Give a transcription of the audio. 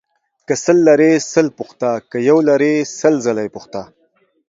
که سل لرې سل پوښته ، که يو لرې سل ځله يې پوښته.